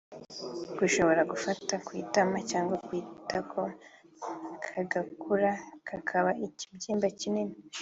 gashobora gufata ku itama cyangwa ku itako kagakura kakaba ikibyimba kinini